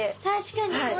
確かに。